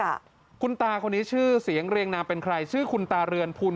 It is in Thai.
ค่ะคุณตาคนนี้ชื่อเสียงเรียงนามเป็นใครชื่อคุณตาเรือนพุน